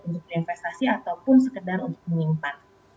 jadi investasi ataupun sekedar untuk menyimpan